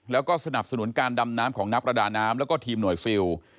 แล้วก็สนับสนุนการดำน้ำของนักประดาน้ำแล้วก็ทีมหน่วยซิล